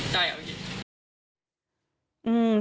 ใช่ครับพี่กิฟต์